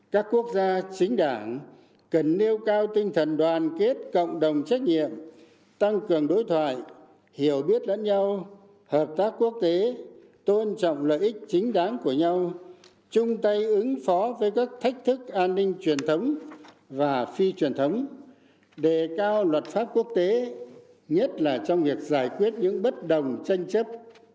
hai các quốc gia chính đảng cần nêu cao tinh thần đoàn kết cộng đồng trách nhiệm tăng cường đối thoại hiểu biết lẫn nhau hợp tác quốc tế tôn trọng lợi ích chính đáng của nhau chung tay ứng phó với các thách thức an ninh truyền thống và phi truyền thống để cao luật pháp quốc tế nhất là trong việc giải quyết những bất đồng tranh chấp